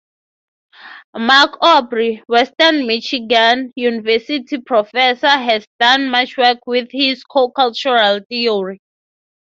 Mark Orbe, Western Michigan University Professor, has done much work with his co-cultural theory.